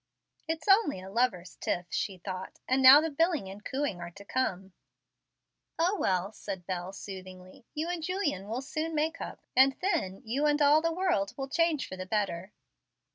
"It's only a lovers' tiff," she thought, "and now the billing and cooing are to come." "O, well," said Bel, soothingly, "you and Julian will soon make up, and then you and all the world will change for the better."